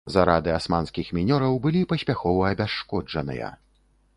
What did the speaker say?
Зарады асманскіх мінёраў былі паспяхова абясшкоджаныя.